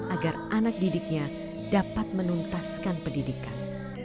agar anak didiknya dapat menuntaskan pendidikan